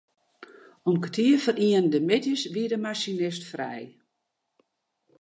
Om kertier foar ienen de middeis wie de masinist frij.